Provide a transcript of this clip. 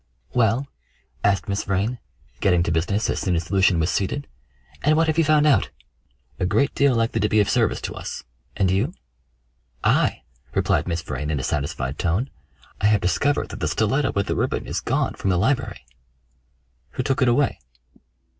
"Well?" asked Miss Vrain, getting to business as soon as Lucian was seated, "and what have you found out?" "A great deal likely to be of service to us. And you?" "I!" replied Miss Vrain in a satisfied tone. "I have discovered that the stiletto with the ribbon is gone from the library." "Who took it away?"